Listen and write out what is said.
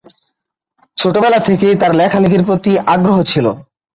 ছোটবেলা থেকেই তার লেখালেখির প্রতি আগ্রহ ছিল।